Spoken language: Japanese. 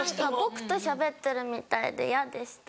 僕としゃべってるみたいで嫌でした